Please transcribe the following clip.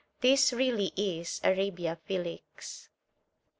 This really is Arabia Felix.